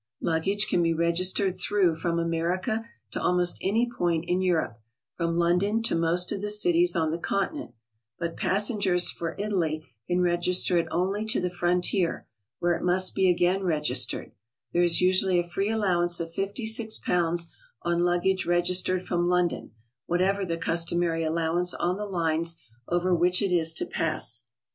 Luggage can be registered through from America to almost any point in Europe; from London to most of the cities on the Continent, but passengers for Italy can register it only to the frontier, where it must be again registered; there is usually a free allowance of 56 pounds on luggage registered from London, whatever the customary allowance on the lines over which it is to pass.